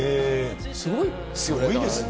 すごいですよね。